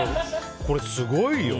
これすごいよ。